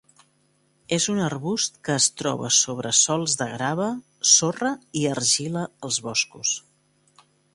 És un arbust que es troba sobre sòls de grava, sorra i argila als boscos.